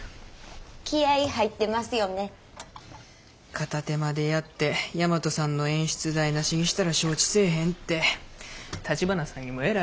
片手間でやって大和さんの演出台なしにしたら承知せえへんって橘さんにもえらい怒られたわ。